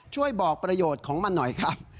ช่วยบอกประโยชน์ของมันหน่อยครับ